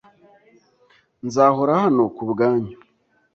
Nzahora hano kubwanyu.